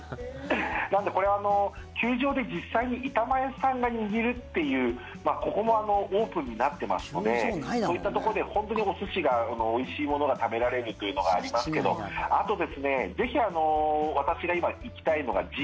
これは球場で実際に板前さんが握るっていうここもオープンになってますのでそういったところで本当にお寿司が、おいしいものが食べられるというのがありますがあと、ぜひ私が今行きたいのが地